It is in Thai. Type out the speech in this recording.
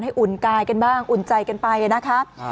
อุ่นกายกันบ้างอุ่นใจกันไปนะคะ